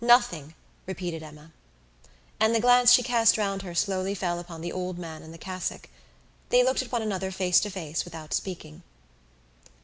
nothing!" repeated Emma. And the glance she cast round her slowly fell upon the old man in the cassock. They looked at one another face to face without speaking.